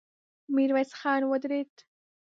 ميرويس خان ودرېد.